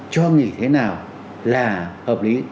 cho nghỉ thế nào là hợp lý